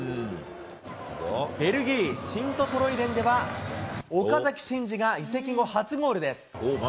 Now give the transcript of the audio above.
ベルギー・シントトロイデンでは、岡崎慎司が移籍後初ゴールです。